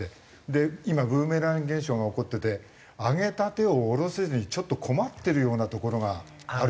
で今ブーメラン現象が起こってて上げた手を下ろせずにちょっと困ってるようなところがあるよね。